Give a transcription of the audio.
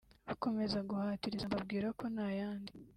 bakomeza guhatiriza mbabwira ko ntayandi